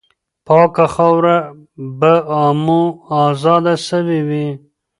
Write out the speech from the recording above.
پاکه خاوره به مو آزاده سوې وي.